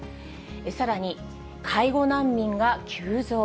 さらに、介護難民が急増？